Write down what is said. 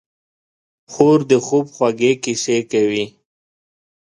خور د خوب خوږې کیسې کوي.